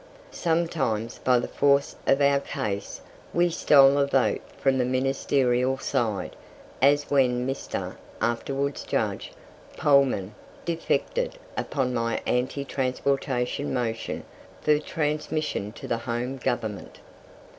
Sometimes, by the force of our case, we stole a vote from the Ministerial side, as when Mr. (afterwards Judge) Pohlman defected upon my anti transportation motion for transmission to the Home Government.